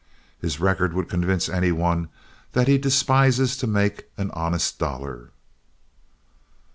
His record would convince any one that he despises to make an honest dollar."